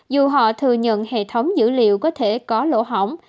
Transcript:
dù họ thừa nhận hệ thống dữ liệu có thể có lỗ hỏng